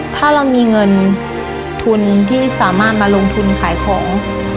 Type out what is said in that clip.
ถ้าเรามีเงินทุนที่สามารถมาลงทุนขายของ